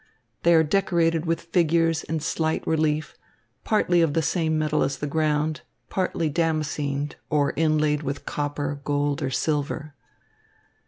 They are decorated with figures in slight relief, partly of the same metal as the ground, partly damascened, or inlaid with copper, gold, or silver.